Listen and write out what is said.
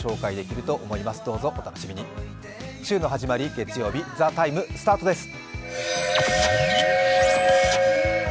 月曜日、「ＴＨＥＴＩＭＥ，」スタートです。